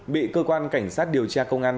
bị cơ quan cảnh sát điều tra công an